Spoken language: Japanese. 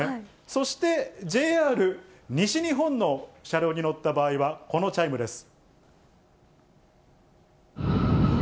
そして、ＪＲ西日本の車両に乗った場合はこのチャイムです。